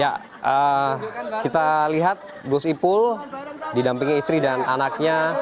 ya kita lihat gus ipul didampingi istri dan anaknya